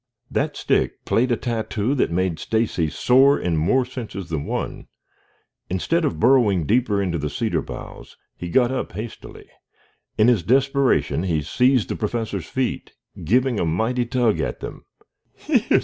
_ That stick played a tattoo that made Stacy sore in more senses than one. Instead of burrowing deeper into the cedar boughs, he got up hastily. In his desperation he seized the Professor's feet, giving a mighty tug at them.